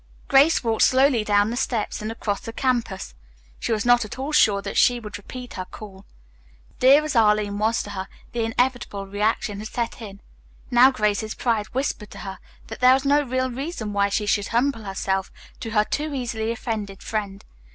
Grace walked slowly down the steps and across the campus. She was not at all sure that she would repeat her call. Dear as was Arline to her, the inevitable reaction had set in. Now Grace's pride whispered to her that there was no real reason why she should humble herself to her too easily offended friend.